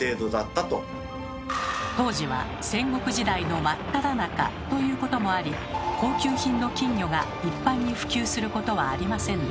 当時は戦国時代の真っただ中ということもあり高級品の金魚が一般に普及することはありませんでした。